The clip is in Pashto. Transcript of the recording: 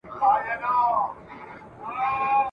که دې خرو په سر کي لږ عقل لرلای ..